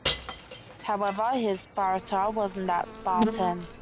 However "his" Sparta wasn't "that" Spartan.